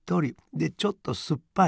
でちょっとすっぱい。